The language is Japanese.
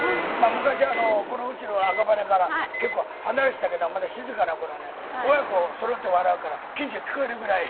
昔うちの赤羽から結構離れていたけどまだ静かな頃ね親子そろって笑うから近所に聞こえるぐらい。